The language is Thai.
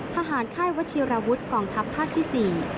ทหารค่ายวชิรวุฒิกองทัพ๕ที่๔